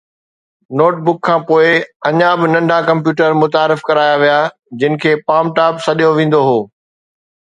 note book کان پوءِ، اڃا به ننڍا ڪمپيوٽر متعارف ڪرايا ويا جن کي پام ٽاپ سڏيو ويندو هو